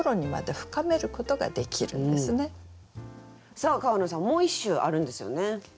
さあ川野さんもう一首あるんですよね。